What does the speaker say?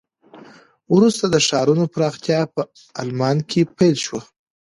وروسته د ښارونو پراختیا په آلمان کې پیل شوه.